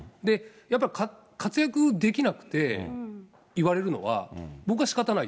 やっぱり活躍できなくて言われるのは、僕はしかたないと。